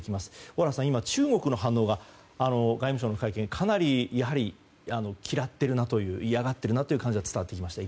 小原さん、今、中国の反応が外務省の会見かなり、やはり嫌っているな嫌がっているなという感じが伝わってきました。